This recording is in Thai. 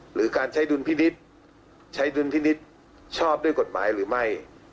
หรือการใช้ดุลพินิษฐ์ใช้ดุลพินิษฐ์ชอบด้วยกฎหมายหรือไม่